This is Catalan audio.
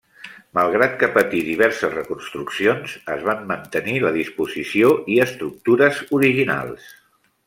Malgrat que patí diverses reconstruccions, es van mantenir la disposició i estructures originals.